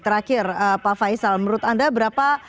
terakhir pak faisal menurut anda berapa